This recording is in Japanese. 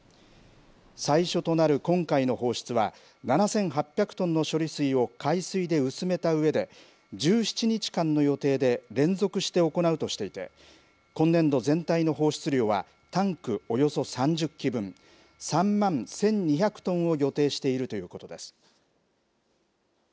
最初となる今回の放出は、７８００トンの処理水を海水で薄めたうえで、１７日間の予定で連続して行うとしていて、今年度全体の放出量はタンクおよそ３０基分、３万１２００トンを予定しているということです。